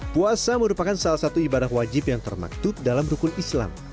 puasa merupakan salah satu ibadah wajib yang termaktub dalam rukun islam